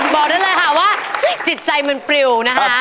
บอกได้เลยค่ะว่าจิตใจมันปริวนะคะ